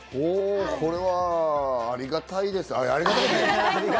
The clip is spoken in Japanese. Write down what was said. これは、ありがたいですね。